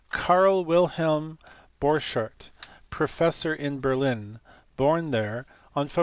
Carl Wilhelm Borchardt, professor in Berlin, born there on Feb.